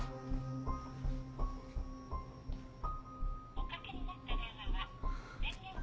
おかけになった電話は電源が。